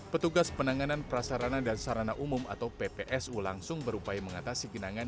petugas penanganan prasarana dan sarana umum atau ppsu langsung berupaya mengatasi genangan